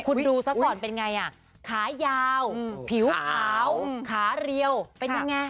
ขาต่อนเป็นไงขายาวผิวขาวขาเรียวเป็นยังไง